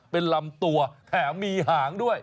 เป็นลำตัวแถมมีหางด้วย